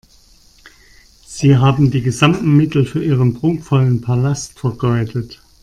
Sie haben die gesamten Mittel für Ihren prunkvollen Palast vergeudet.